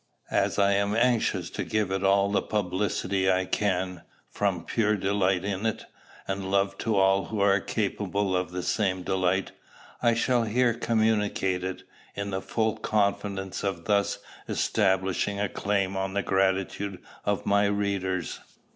As I am anxious to give it all the publicity I can, from pure delight in it, and love to all who are capable of the same delight, I shall here communicate it, in the full confidence of thus establishing a claim on the gratitude of my readers.